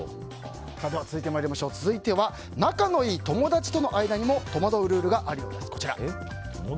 続いては仲のいい友達との間にも戸惑うルールがあるようです。